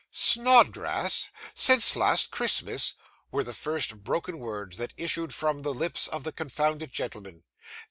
'Snodgrass! since last Christmas!' were the first broken words that issued from the lips of the confounded gentleman.